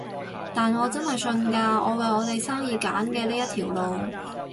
但我真係信㗎，我為我哋生意揀嘅呢一條路